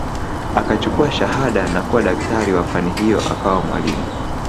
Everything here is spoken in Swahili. Akachukua shahada na kuwa daktari wa fani hiyo akawa mwalimu